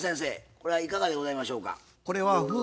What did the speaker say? これはいかがでございましょうか？